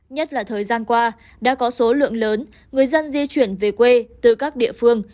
nhất là thời gian qua đã có số lượng lớn người dân di chuyển về quê từ các địa phương